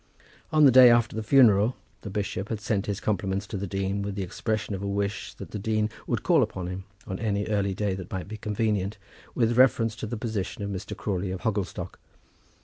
On the day after the funeral, the bishop had sent his compliments to the dean with the expression of a wish that the dean would call upon him on any early day that might be convenient with reference to the position of Mr. Crawley of Hogglestock.